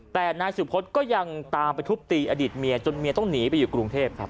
แต่นายสุพธก็ยังตามไปทุบตีอดีตเมียจนเมียต้องหนีไปอยู่กรุงเทพครับ